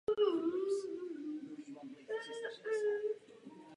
Obec Moravice je ekonomicky postižena horší dopravní dostupností.